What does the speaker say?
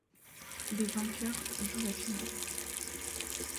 Les vainqueurs jouent la finale.